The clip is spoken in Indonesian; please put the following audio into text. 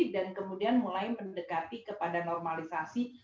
dan kemudian mulai mendekati kepada normalisasi